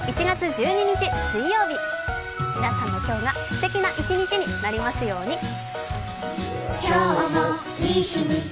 １月１２日、水曜日皆さんの今日がすてきな一日になりますように。